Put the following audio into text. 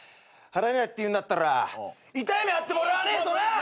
払えないっていうんだったら痛い目遭ってもらわねえとな！